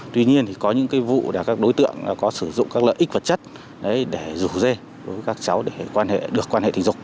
tuy nhiên có những vụ là các đối tượng có sử dụng các lợi ích vật chất để rủ dê các cháu để được quan hệ tình dục